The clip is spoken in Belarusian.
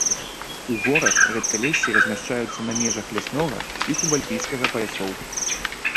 У горах рэдкалессі размяшчаюцца на межах ляснога і субальпійскага паясоў.